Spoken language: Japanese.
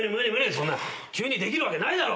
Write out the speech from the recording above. そんな急にできるわけないだろ。